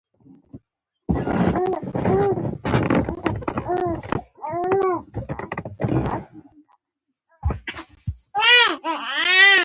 د چرګانو هګۍ په منظم ډول ټولول د بازار لپاره اړین دي.